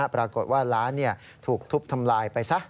ปรากฏว่าร้านถูกทุบทำลายไปซะ